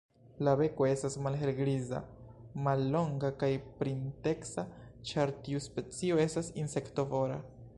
La beko estas malhelgriza, mallonga kaj pinteca, ĉar tiu specio estas insektovora.